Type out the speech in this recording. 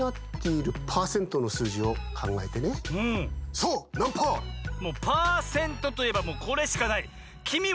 そうなんパー？もうパーセントといえばもうこれしかない。